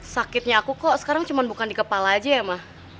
sakitnya aku kok sekarang cuma bukan di kepala aja ya mah